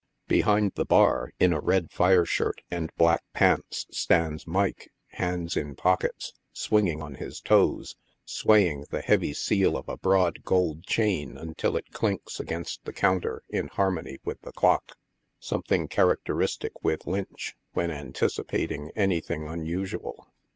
Behind the bar, in a red fire shirt and black pants, stands Mike, hands in pockets, swinging on his toes, swaying the heavy seal of a broad gold chain until it clinks agains the counter in harmony with the clock — something characteristic with Lynch when anticipating anything unusual.